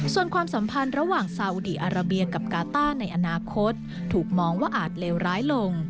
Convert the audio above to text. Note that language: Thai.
ส่วนความสัมพันธ์ระหว่างซาอุดีอาราเบียกับกาต้าในอนาคตถูกมองว่าอาจเลวร้ายลง